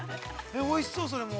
おいしそう、それも。